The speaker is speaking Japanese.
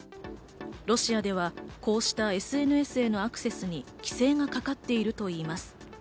ロシアではこうしたＳＮＳへのアクセスに規制がかかっているといいます。